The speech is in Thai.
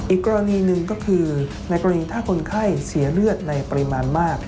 อีกกรณีหนึ่งก็คือในกรณีถ้าคนไข้เสียเลือดในปริมาณมาก